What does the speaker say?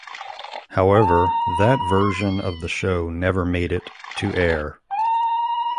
However, that version of the show never made it to air.